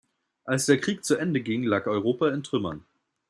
Als der Krieg zu Ende ging, lag Europa in Trümmern.